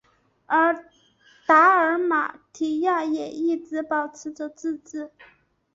而达尔马提亚也一直保持着自治。